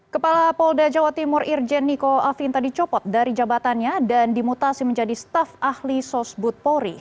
kepala polda jawa timur irjen niko afinta dicopot dari jabatannya dan dimutasi menjadi staf ahli sosbud polri